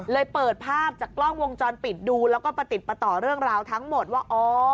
เปิดภาพจากกล้องวงจรปิดดูแล้วก็ประติดประต่อเรื่องราวทั้งหมดว่า